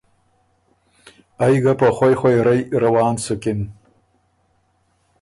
ائ ګه په خوئ خوئ رئ روان سُکِن۔